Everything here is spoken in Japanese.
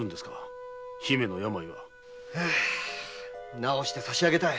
治して差し上げたい。